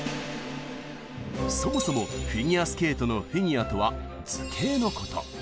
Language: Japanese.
そもそもフィギュアスケートの「フィギュア」とは図形のこと。